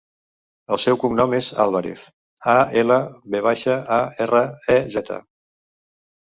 El seu cognom és Alvarez: a, ela, ve baixa, a, erra, e, zeta.